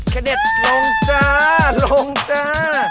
เคด็ตลงจาลงจา